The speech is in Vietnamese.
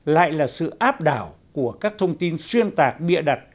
lại là sự áp đảo của các thông tin xuyên tạc bịa đặt